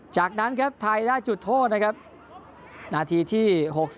จากนั้นครับไทยได้จุดโทษนะครับนาทีที่๖๔